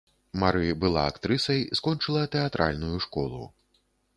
Мары была актрысай, скончыла тэатральную школу.